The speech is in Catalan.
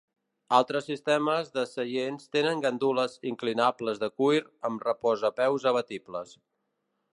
Altres sistemes de seients tenen gandules inclinables de cuir amb reposapeus abatibles.